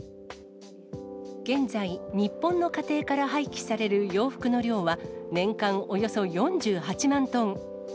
現在、日本の家庭から廃棄される洋服の量は年間およそ４８万トン。